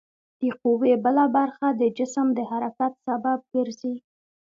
د قوې بله برخه د جسم د حرکت سبب ګرځي.